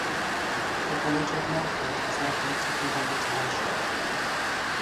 The village of Milford is located within the township.